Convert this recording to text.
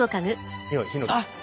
あっ！